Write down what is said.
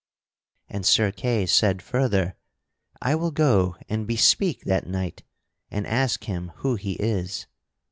And Sir Kay said further: "I will go and bespeak that knight and ask him who he is."